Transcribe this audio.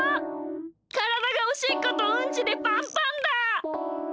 からだがおしっことうんちでパンパンだ！